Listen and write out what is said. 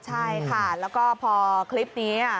ใช่ค่ะแล้วก็พอคลิปนี้